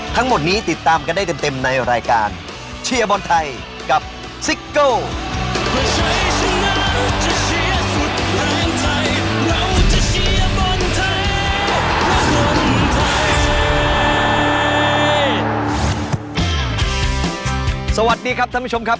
สวัสดีครับท่านผู้ชมครับ